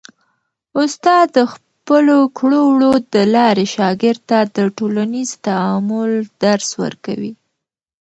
استاد د خپلو کړو وړو د لارې شاګرد ته د ټولنیز تعامل درس ورکوي.